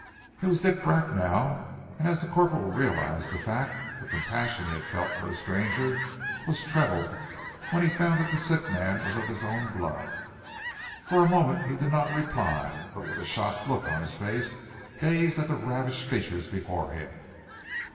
It was Dick Bracknell, and as the corporal realized the fact, the compassion he had felt for a stranger was trebled when he found that the sick man was of his own blood. For a moment he did not reply, but with a shocked look on his face gazed at the ravaged features before him.